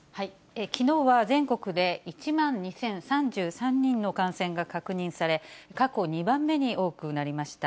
きのうは全国で１万２０３３人の感染が確認され、過去２番目に多くなりました。